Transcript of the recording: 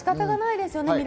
仕方がないですね。